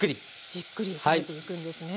じっくり炒めていくんですね。